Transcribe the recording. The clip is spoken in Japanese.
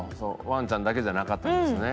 ワンちゃんだけじゃなかったんですね。